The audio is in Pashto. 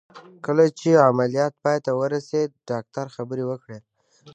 کله چې عمليات پای ته ورسېد ډاکتر خبرې وکړې.